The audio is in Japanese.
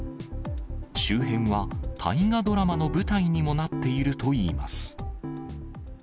周辺は大河ドラマの舞台にもなっているといいます。